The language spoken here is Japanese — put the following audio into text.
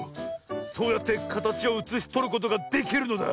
そうやってかたちをうつしとることができるのだ。